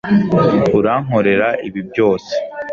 Urankorera ibi byose